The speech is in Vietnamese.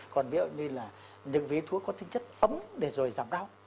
còn ví dụ như là những vị thuốc có tinh chất ấm để rồi giảm đau